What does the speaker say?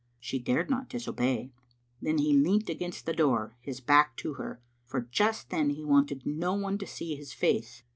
She dared not disobey. Then he leant against the door, his back to her, for just then he wanted no one to see his face.